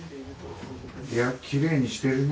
部屋きれいにしてるね。